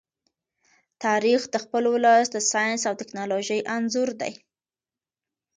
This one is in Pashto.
تاریخ د خپل ولس د ساینس او ټیکنالوژۍ انځور دی.